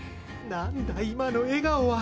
何だ今の笑顔は？